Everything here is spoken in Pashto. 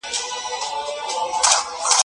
ځينې ليکوالان په خپلو خيالونو کي ورک دي.